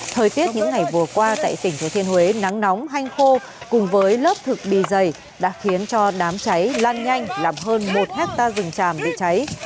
thời tiết những ngày vừa qua tại tỉnh thừa thiên huế nắng nóng hanh khô cùng với lớp thực bì dày đã khiến cho đám cháy lan nhanh làm hơn một hectare rừng tràm bị cháy